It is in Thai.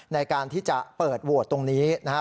ในการที่จะเปิดโวทย์ตรงนี้นะฮะ